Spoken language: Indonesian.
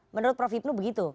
menurut prof ibnul begitu